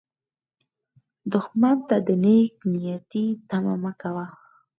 دښمن ته د نېک نیتي تمه مه کوه